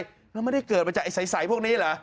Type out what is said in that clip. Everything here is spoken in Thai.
แล้วไม่ได้เกิดมาจากไอ้ใสพวกนี้เหรอ